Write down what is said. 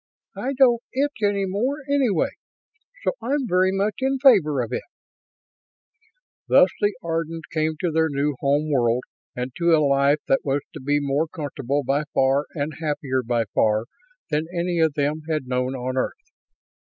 "I don't itch any more, anyway, so I'm very much in favor of it." Thus the Ardans came to their new home world and to a life that was to be more comfortable by far and happier by far than any of them had known on Earth.